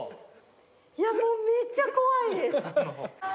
いやもうめっちゃ怖いです。